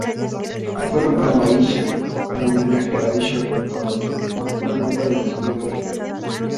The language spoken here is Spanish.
Fue nombrado Aisha en homenaje de "Aisha Renee Thomas", una nieta del descubridor.